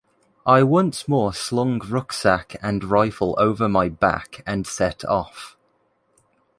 I once more slung rucksack and rifle over my back and set off.